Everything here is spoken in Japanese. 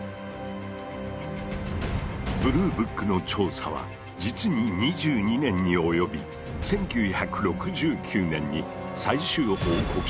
ブルーブックの調査は実に２２年に及び１９６９年に最終報告書を発表。